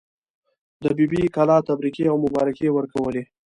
د بي بي کلا تبریکې او مبارکۍ یې ورکولې.